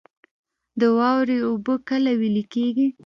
د واورې اوبه کله ویلی کیږي؟